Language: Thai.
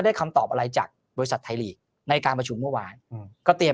คำตอบอะไรจากบริษัทไทยลีกในการประชุมเมื่อวานอืมก็เตรียม